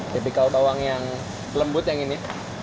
tipikal bawang yang lembut yang ini